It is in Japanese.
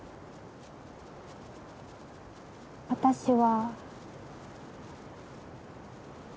私は。